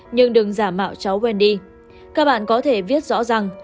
nhưng đừng giả mạo cháu wendy các bạn có thể viết rõ rằng